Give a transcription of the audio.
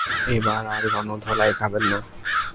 এবার আর গণধোলাই খাবেন না।